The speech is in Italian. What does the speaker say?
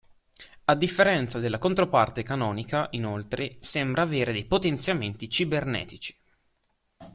A differenza della controparte canonica, inoltre, sembra avere dei potenziamenti cibernetici.